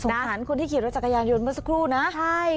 ส่งผัญคุณที่เขียนรถจักรยานยนต์เมื่อสักครู่นะใช่